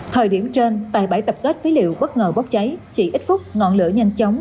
thời điểm trên tại bãi tập kết phế liệu bất ngờ bốc cháy chỉ ít phút ngọn lửa nhanh chóng